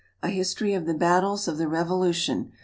A History of the Battles of the Revolution.